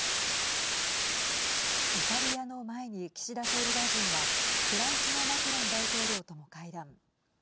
イタリアの前に岸田総理大臣はフランスのマクロン大統領とも会談。